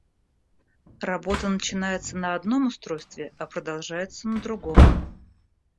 Работа начинается на одном устройстве, а продолжается на другом